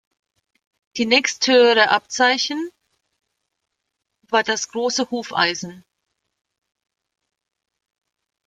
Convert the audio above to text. Die nächsthöhere Abzeichen war das Große Hufeisen.